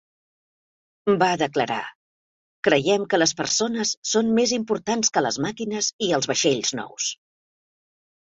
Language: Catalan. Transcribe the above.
Va declarar: "Creiem que les persones són més importants que les màquines i els vaixells nous".